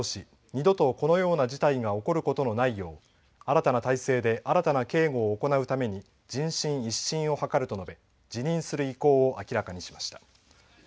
二度とこのような事態が起こることのないよう新たな体制で新たな警護を行うために人心一新を図ると述べ、辞任する意向を明らかにしました。